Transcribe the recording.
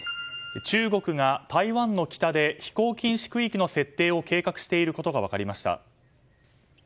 中国が台湾の北で飛行禁止区域の設定を計画していることが分かりました。